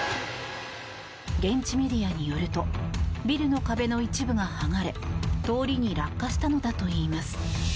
現地メディアによるとビルの壁の一部が剥がれ通りに落下したのだといいます。